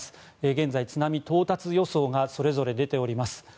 現在、津波到達予想がそれぞれ出ております。